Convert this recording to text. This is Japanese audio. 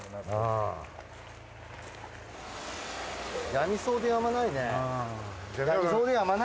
やみそうでやまないね。